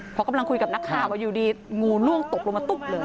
พอกำลังคุยกับนักข่าวว่าอยู่ดีงูล่วงตกลงมาตุ๊บเลย